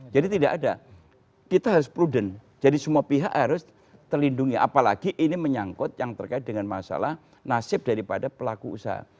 jadi tidak ada kita harus prudent jadi semua pihak harus terlindungi apalagi ini menyangkut yang terkait dengan masalah nasib daripada pelaku usaha